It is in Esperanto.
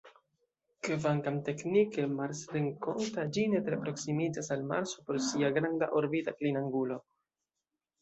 Kvankam teknike marsrenkonta, ĝi ne tre proksimiĝas al Marso pro sia granda orbita klinangulo.